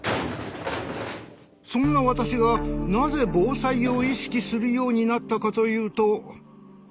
そんな私がなぜ防災を意識するようになったかというと。